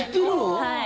はい。